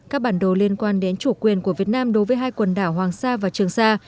các bản đồ liên quan đến chủ quyền của việt nam đối với hai quần đảo hoàng sa và trường sa